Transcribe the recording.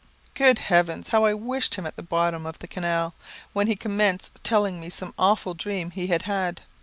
Good heavens! how I wished him at the bottom of the canal, when he commenced telling me some awful dream he had had.